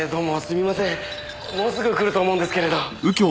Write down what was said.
もうすぐ来ると思うんですけれど。